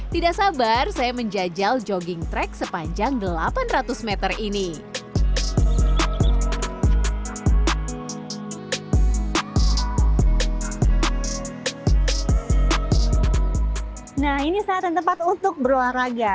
tidak sabar saya menjajal jogging track sepanjang delapan ratus m ini nah ini saat dan tempat untuk berolahraga